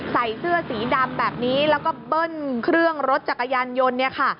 ใส่เสื้อสีดำแบบนี้แล้วก็เบิ้ลเครื่องรถจักรยานยนต์เนี่ยค่ะ